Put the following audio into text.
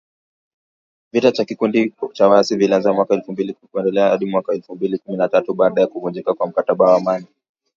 Vita vya kikundi cha waasi vilianza mwaka elfu mbili kumi na kuendelea hadi mwaka elfu mbili kumi na tatu, baada ya kuvunjika kwa mkataba wa amani